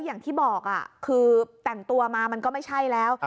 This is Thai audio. อย่างที่บอกคือแต่งตัวมามันก็ไม่ใช่แล้ว